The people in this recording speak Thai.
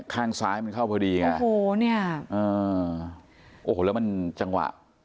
ข้างซ้ายมันเข้าพอดีไงโอ้โหเนี่ยอ่าโอ้โหแล้วมันจังหวะ